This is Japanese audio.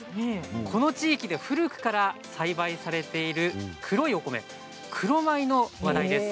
この地域で古くから栽培されている黒いお米黒米の話題です。